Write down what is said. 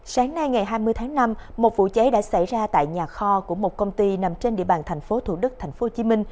sáng nay ngày hai mươi tháng năm một vụ cháy đã xảy ra tại nhà kho của một công ty nằm trên địa bàn tp thủ đức tp hcm